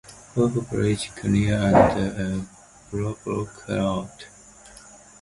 Both benches cleared and a brawl broke out.